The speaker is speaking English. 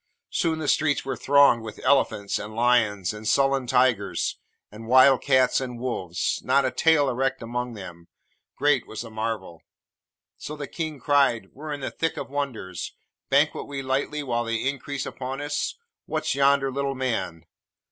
Soon the streets were thronged with elephants and lions and sullen tigers, and wild cats and wolves, not a tail erect among them: great was the marvel! So the King cried, 'We 're in the thick of wonders; banquet we lightly while they increase upon us! What's yonder little man?'